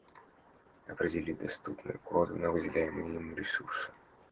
Определить доступную квоту на выделяемые ему ресурсы